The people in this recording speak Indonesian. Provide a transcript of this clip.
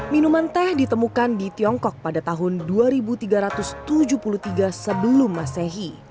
minuman teh ditemukan di tiongkok pada tahun dua ribu tiga ratus tujuh puluh tiga sebelum masehi